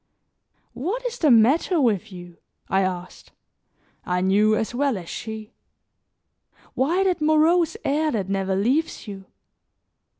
"What is the matter with you?" I asked; I knew as well as she. "Why that morose air that never leaves you?